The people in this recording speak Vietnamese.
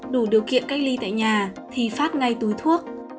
đủ điều kiện cách ly tại nhà thì phát ngay túi thuốc